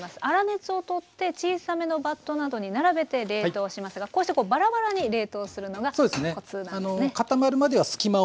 粗熱を取って小さめのバットなどに並べて冷凍しますがこうしてバラバラに冷凍するのがコツなんですね？